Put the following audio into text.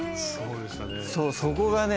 そこがね